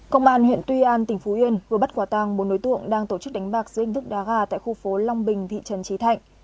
công an huyện tuy an tỉnh phú yên vừa bắt quả tang bốn đối tượng đang tổ chức đánh bạc dưới hình thức đá gà tại khu phố long bình thị trấn trí thạnh